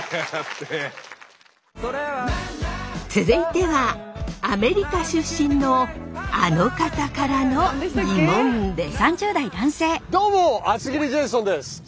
続いてはアメリカ出身のあの方からのギモンです。